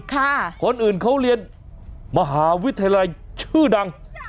คนอื่นเขาเรียนมหาวิทยาลัยชื่อดัง